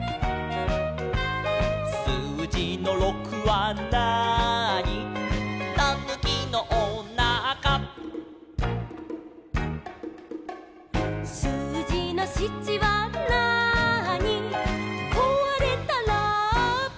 「すうじの６はなーに」「たぬきのおなか」「すうじの７はなーに」「こわれたラッパ」